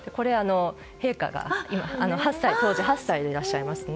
陛下が当時８歳でいらっしゃいます。